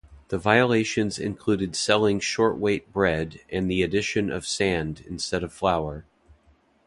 The violations included selling short-weight bread and the addition of sand instead of flour.